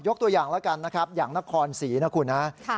ตัวอย่างแล้วกันนะครับอย่างนครศรีนะคุณนะ